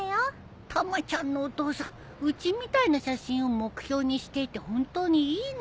たまちゃんのお父さんうちみたいな写真を目標にしていて本当にいいの？